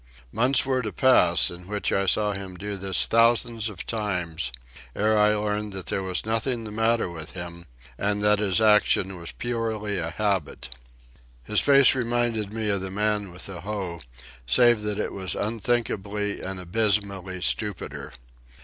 Months were to pass, in which I saw him do this thousands of times, ere I learned that there was nothing the matter with him and that his action was purely a habit. His face reminded me of the Man with the Hoe, save that it was unthinkably and abysmally stupider.